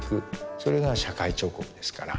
それが社会彫刻ですから。